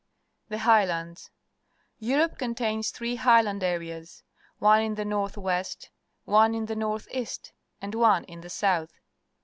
The Highlands. — Europe contains three highland areas — one in the north west, one in the north east, and one in the south.